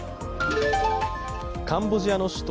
カンボジアの首都